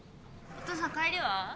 お父さん帰りは？